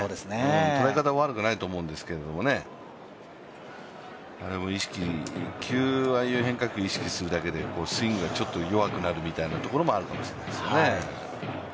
捉え方は悪くないと思うんですけどね、急にああいう変化球を意識することでスイングが弱くなるみたいなところもあるかもしれないですね。